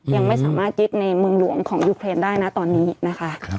ยังไม่สามารถยึดในเมืองหลวงของยูเครนได้นะตอนนี้นะคะ